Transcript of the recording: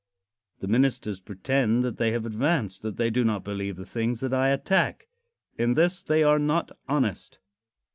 The ministers pretend that they have advanced that they do not believe the things that I attack. In this they are not honest.